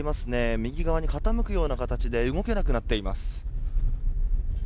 右側に傾くような形で動けなくなっています。